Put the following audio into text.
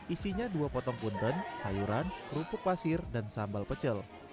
isinya dua potong punten sayuran kerupuk pasir dan sambal pecel